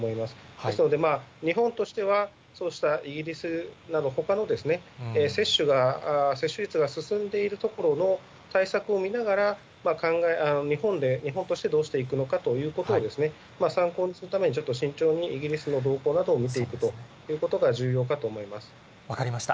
ですので、日本としてはそうしたイギリスなど、ほかの接種率が進んでいる所の対策を見ながら、日本としてどうしていくのかということを、参考にするために、ちょっと慎重にイギリスの動向などを見ていくということが重要か分かりました。